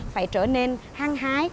phải trở nên hăng hái